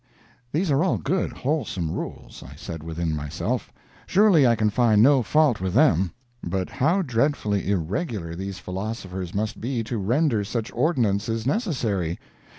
These are all good, wholesome rules, I said within myself—surely I can find no fault with them. But how dreadfully irregular these philosophers must be to render such ordinances necessary.